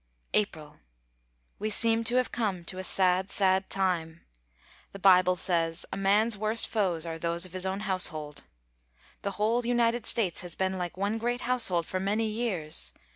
April. We seem to have come to a sad, sad time. The Bible says, "A man's worst foes are those of his own household." The whole United States has been like one great household for many years.